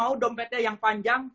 kalau mau dompetnya yang panjang masukin